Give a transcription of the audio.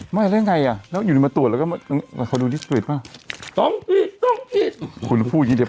ไม่แล้วไหนอ่ะแล้วอยู่ดีมาตรวจ